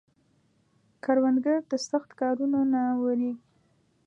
کروندګر د سخت کارونو نه نه وېرېږي